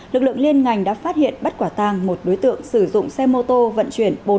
lực lượng liên ngành đã phát hiện bắt quả tàng một đối tượng sử dụng xe mô tô vận chuyển